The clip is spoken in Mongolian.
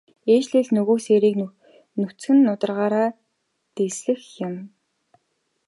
Ээлжлээд л нөгөө сээрийг нүцгэн нударгаараа дэлсэх юм.